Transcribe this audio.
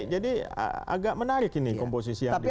jadi agak menarik ini komposisi yang dibuat